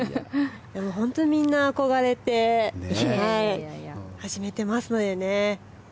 本当にみんな憧れて始めてますのでね。